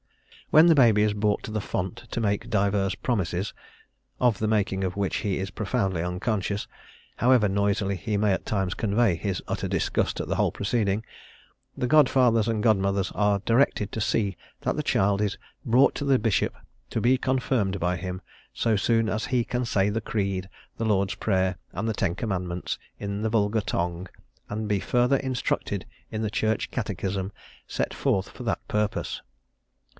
When the baby is brought to the font to make divers promises, of the making of which he is profoundly unconscious however noisily he may at times convey his utter disgust at the whole proceeding the godfathers and godmothers are directed to see that the child is "brought to the bishop to be confirmed by him, so soon as he can say the creed, the Lord's Prayer, and the Ten Commandments, in the vulgar tongue, and be further instructed in the Church Catechism set forth for that purpose."